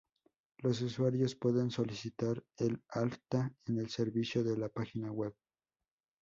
Los usuarios pueden solicitar el alta en el servicio en la página web.